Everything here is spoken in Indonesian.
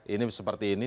ini seperti ini